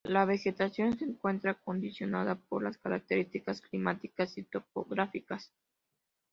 La vegetación se encuentra condicionada por las características climáticas y topográficas.